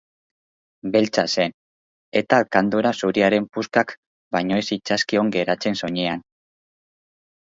Beltza zen, eta alkandora zuriaren puskak baino ez zitzaizkion geratzen soinean.